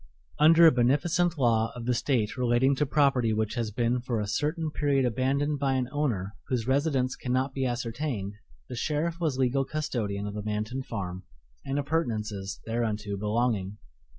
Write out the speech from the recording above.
Under a beneficent law of the State relating to property which has been for a certain period abandoned by an owner whose residence cannot be ascertained, the sheriff was legal custodian of the Manton farm and appurtenances thereunto belonging.